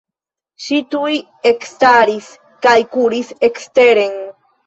Ŝi tuj ekstaris kaj kuris eksteren.